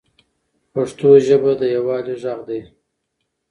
پښتو ژبه د یووالي ږغ دی.